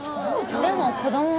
でも子供は。